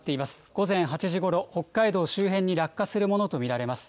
午前８時ごろ、北海道周辺に落下するものと見られます。